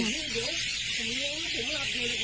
มึงพันดีไปไหนมึง